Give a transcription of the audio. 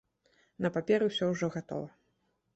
На паперы ўсё ўжо гатова.